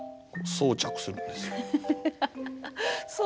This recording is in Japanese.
装着するんです。